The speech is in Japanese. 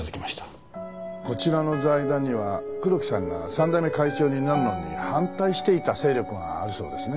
こちらの財団には黒木さんが３代目会長になるのに反対していた勢力があるそうですね。